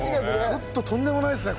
ちょっととんでもないですね